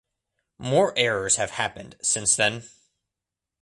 More errors have happened since then.